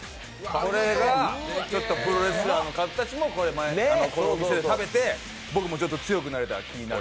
これがプロレスラーの方たちもこのお店で食べて、僕もちょっと強くなれた気になる。